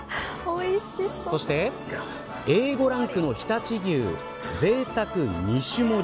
そして、Ａ５ランクの常陸牛ぜいたく２種盛り